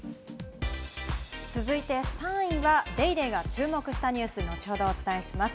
続いて３位は『ＤａｙＤａｙ．』が注目したニュース、後ほどお伝えします。